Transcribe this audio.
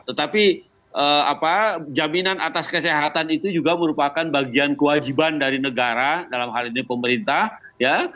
tetapi jaminan atas kesehatan itu juga merupakan bagian kewajiban dari negara dalam hal ini pemerintah ya